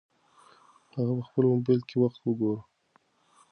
هغه په خپل موبایل کې وخت وګوره.